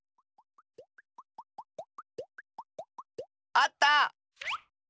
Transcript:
あった！